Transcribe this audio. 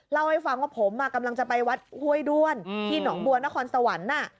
เล่าให้ฟังว่าผมกำลังจะไปวัดห้วยด้วนที่หนองบัวนครสวรรค์